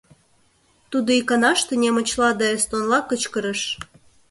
Тудо иканаште немычла да эстонла кычкырыш.